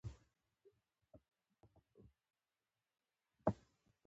او د نړۍ بریا ده.